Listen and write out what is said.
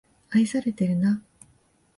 愛されてるな